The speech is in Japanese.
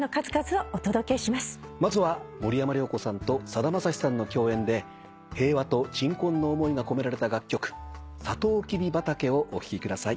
まずは森山良子さんとさだまさしさんの共演で平和と鎮魂の思いが込められた楽曲『さとうきび畑』をお聴きください。